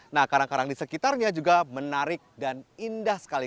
nah karang karang di sekitarnya juga menarik dan indah sekali